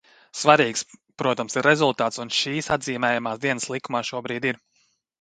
Svarīgs, protams, ir rezultāts, un šīs atzīmējamās dienas likumā šobrīd ir.